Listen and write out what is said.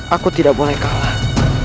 aku tidak boleh kalah